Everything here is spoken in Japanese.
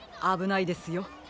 あぶないですよ。